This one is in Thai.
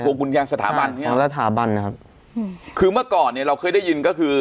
พวงกุญญาณสถาบันใช่ครับของสถาบันนะครับคือเมื่อก่อนเนี้ยเราเคยได้ยินก็คือ